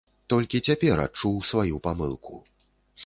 Толькі цяпер адчуў сваю памылку.